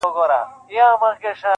دا نامرده چي په ځان داسي غره دی,